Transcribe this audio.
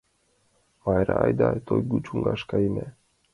Майра, айда, Тойгӱ чоҥгаш каена.